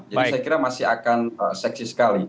jadi saya kira masih akan seksi sekali